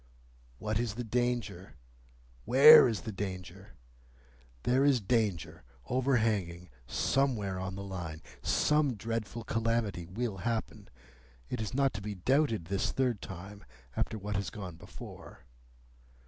"What is the danger? Where is the danger? There is danger overhanging somewhere on the Line. Some dreadful calamity will happen. It is not to be doubted this third time, after what has gone before.